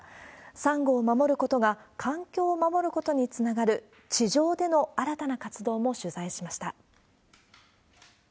サンゴを守ることが環境を守ることにつながる、地上での新たな活動も取材しました。